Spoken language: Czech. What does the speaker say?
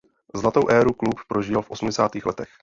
Zlatou éru klub prožíval v osmdesátých letech.